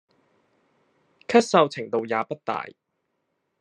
咳嗽程度也不大